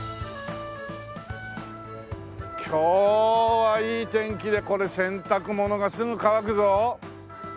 今日はいい天気でこれ洗濯物がすぐ乾くぞ。